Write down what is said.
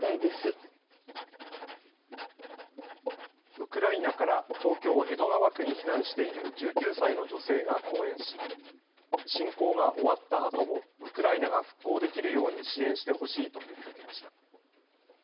ウクライナから東京江戸川区に避難している１９歳の女性が講演し侵攻が終わったあともウクライナが復興できるように支援してほしいと呼びかけました。